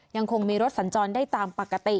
ยังคงมีรถสัญจรได้ตามปกติ